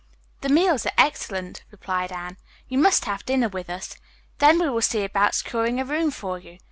"The meals are excellent," replied Anne. "You must have dinner with us. Then we will see about securing a room for you.